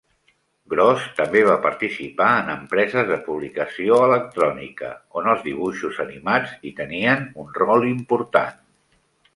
Gross també va participar en empreses de publicació electrònica, on els dibuixos animats hi tenien un rol important.